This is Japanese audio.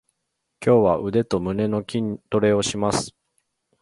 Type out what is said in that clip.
今日は腕と胸の筋トレをします。